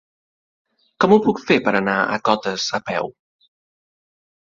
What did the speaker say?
Com ho puc fer per anar a Cotes a peu?